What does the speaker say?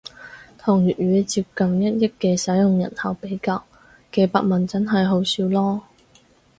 同粵語接近一億嘅使用人口比較，幾百萬真係好少囉